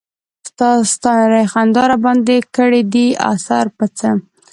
ستا نرۍ خندا راباندې کړے دے اثر پۀ څۀ